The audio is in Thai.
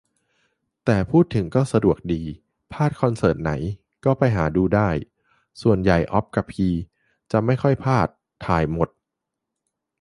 แต่พูดถึงก็สะดวกดี พลาดคอนเสิร์ตไหน ก็ไปหาดูได้ ส่วนใหญ่อ๊อบกะพีจะไม่ค่อยพลาด ถ่ายหมด